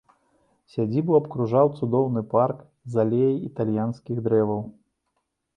Сядзібу абкружаў цудоўны парк з алеяй італьянскіх дрэваў.